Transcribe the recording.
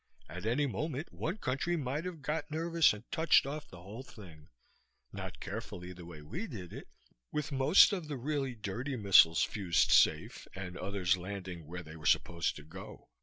At any moment one country might have got nervous and touched off the whole thing not carefully, the way we did it, with most of the really dirty missiles fused safe and others landing where they were supposed to go.